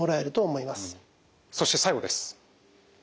そして最後です。